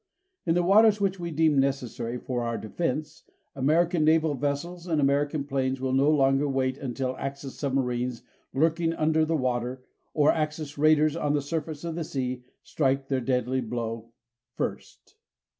In the waters which we deem necessary for our defense, American naval vessels and American planes will no longer wait until Axis submarines lurking under the water, or Axis raiders on the surface of the sea, strike their deadly blow first.